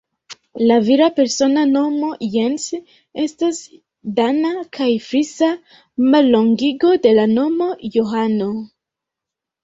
La vira persona nomo Jens estas dana kaj frisa mallongigo de la nomo Johano.